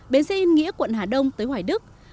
bến xe yên nghĩa quận hà đông tới hoài đức